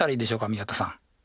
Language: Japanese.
宮田さん。